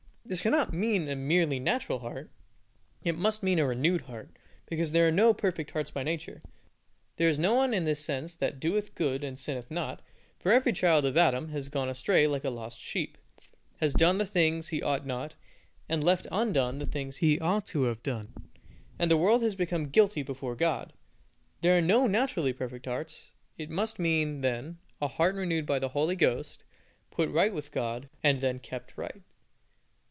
This cannot mean a merely natural heart, it must mean a renewed heart, because there are no perfect hearts by nature. There is no one in this sense that doeth good and sinneth not, for every child of Adam has gone astray like a lost sheep, has done the things he ought not, and left undone the things he ought to have done, and the whole world has become guilty before God. There are no naturally perfect hearts. It must mean, then, a heart renewed by the Holy Ghost, put right with God, and then kept right.